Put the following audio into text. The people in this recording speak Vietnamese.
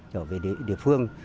trở về địa phương